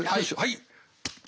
はい。